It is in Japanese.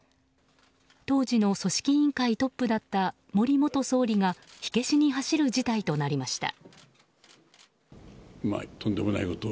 当時の組織委員会トップだった森元総理が火消しに走る事態となりました。